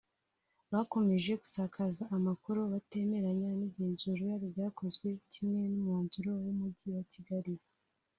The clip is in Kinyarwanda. bakomeje gusakaza amakuru batemeranya n’ igenzurwa ryakozwe kimwe n’umwanzuro w’Umujyi wa Kigali